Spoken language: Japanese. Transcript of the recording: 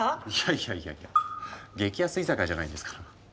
いやいやいやいや激安居酒屋じゃないんですから。